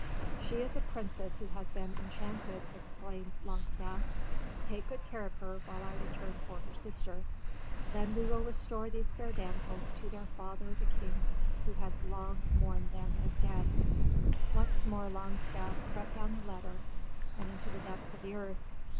"She is a princess who has been enchanted," explained Longstaff. "Take good care of her while I return for her sister. Then we will restore these fair damsels to their father, the king, who has long mourned them as dead." Once more Longstaff crept down the ladder into the depths of the earth.